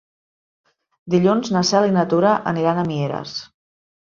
Dilluns na Cel i na Tura aniran a Mieres.